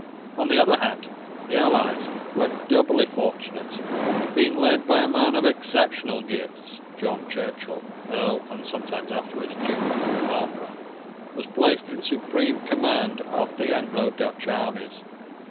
On the other hand, the allies were doubly fortunate in being led by a man of exceptional gifts. John Churchill, Earl (and shortly afterwards Duke) of Marlborough, was placed in supreme command of the Anglo Dutch armies.